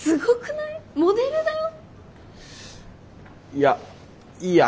いやいいや。